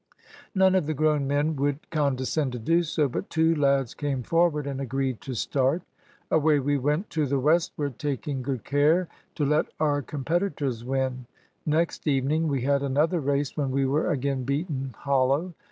None of the grown men would condescend to do so, but two lads came forward and agreed to start. Away we went to the westward, taking good care to let our competitors win. Next evening we had another race, when we were again beaten hollow.